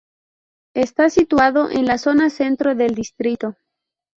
Está situado en la zona centro del distrito.